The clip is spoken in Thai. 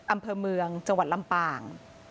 อำเภอเมืองจังหวัดลำปาง